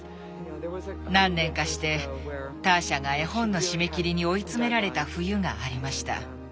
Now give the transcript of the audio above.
何年かしてターシャが絵本の締め切りに追い詰められた冬がありました。